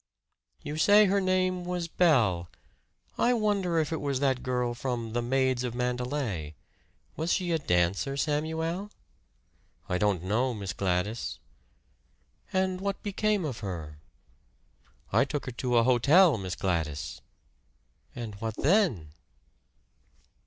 "You say her name was Belle. I wonder if it was that girl from 'The Maids of Mandelay.' Was she a dancer, Samuel?" "I don't know, Miss Gladys." "And what became of her?" "I took her to a hotel, Miss Gladys." "And what then?"